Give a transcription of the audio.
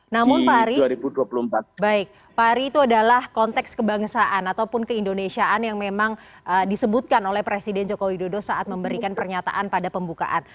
namun pari itu adalah konteks kebangsaan ataupun keindonesiaan yang memang disebutkan oleh presiden joko widodo saat memberikan pernyataan pada pembukaan